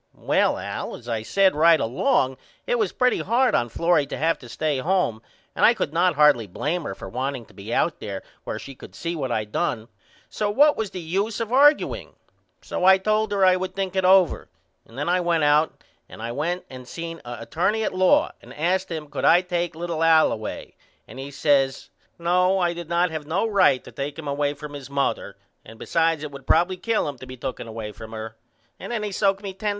Well Al as I said right along it was pretty hard on Florrie to have to stay home and I could not hardly blame her for wanting to be out there where she could see what I done so what was the use of argueing? So I told her I would think it over and then I went out and I went and seen a attorney at law and asked him could I take little Al away and he says No I did not have no right to take him away from his mother and besides it would probily kill him to be tooken away from her and then he soaked me $10.